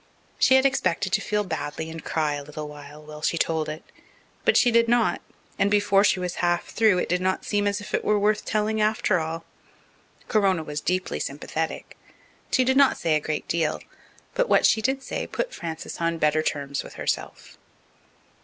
She had expected to feel badly and cry a little while she told it. But she did not, and before she was half through, it did not seem as if it were worth telling after all. Corona was deeply sympathetic. She did not say a great deal, but what she did say put Frances on better terms with herself.